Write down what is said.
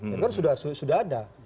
itu kan sudah ada